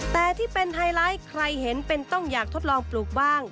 แต่ที่เป็นไฮไลท์ใครเห็นเป็นต้องอยากทดลองปลูกบ้าง